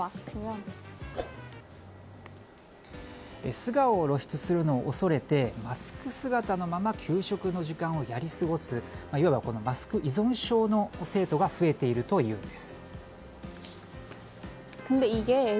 素顔を露出するのを恐れてマスク姿のまま給食の時間をやり過ごすいわばマスク依存症の生徒が増えているというんです。